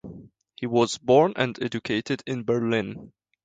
He was born and educated in Berlin.